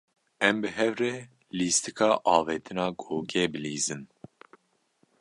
Em bi hev re lîstika avêtina gogê bilîzin.